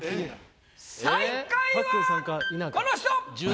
最下位はこの人！